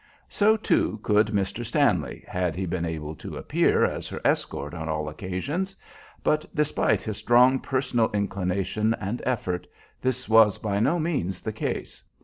So, too, could Mr. Stanley, had he been able to appear as her escort on all occasions; but despite his strong personal inclination and effort, this was by no means the case.